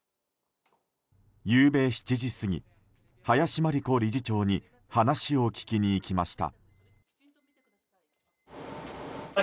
ゆうべ７時過ぎ林真理子理事長に話を聞きに行きました。